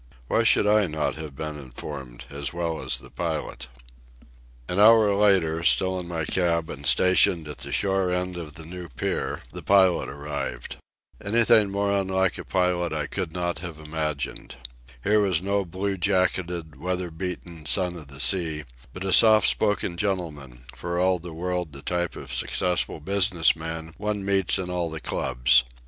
Why should I not have been informed as well as the pilot? An hour later, still in my cab and stationed at the shore end of the new pier, the pilot arrived. Anything more unlike a pilot I could not have imagined. Here was no blue jacketed, weather beaten son of the sea, but a soft spoken gentleman, for all the world the type of successful business man one meets in all the clubs.